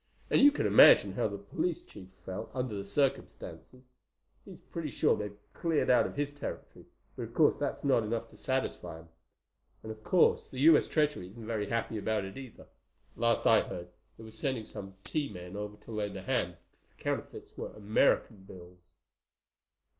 "And you can imagine how the police chief felt, under the circumstances. He's pretty sure they've cleared out of his territory, but of course that's not enough to satisfy him. And of course the U.S. Treasury isn't very happy about it either. Last I heard, it was sending some T men over to lend a hand, because the counterfeits were American bills."